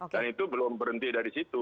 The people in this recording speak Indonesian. dan itu belum berhenti dari situ